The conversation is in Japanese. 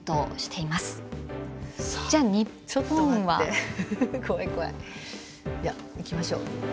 いやいきましょう。